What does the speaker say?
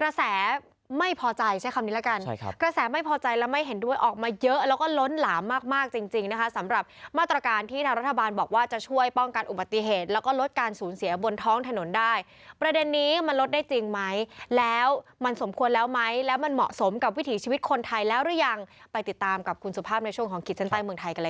กระแสไม่พอใจใช้คำนี้แล้วกันกระแสไม่พอใจและไม่เห็นด้วยออกมาเยอะแล้วก็ล้นหลามมากมากจริงนะคะสำหรับมาตรการที่ทางรัฐบาลบอกว่าจะช่วยป้องกันอุบัติเหตุแล้วก็ลดการสูญเสียบนท้องถนนได้ประเด็นนี้มันลดได้จริงไหมแล้วมันสมควรแล้วไหมแล้วมันเหมาะสมกับวิถีชีวิตคนไทยแล้วหรือยังไปติดตามกับคุณสุภาพในช่วงของขีดเส้นใต้เมืองไทยกันเลยค่ะ